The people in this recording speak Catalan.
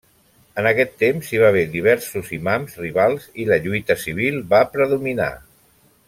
En aquest temps hi va haver diversos imams rivals i la lluita civil va predominar.